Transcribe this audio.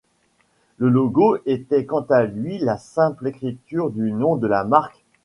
Le logo était quant à lui la simple écriture du nom de la marque.